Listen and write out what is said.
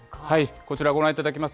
こちらご覧いただきます。